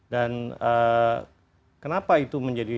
dan kenapa itu menjadi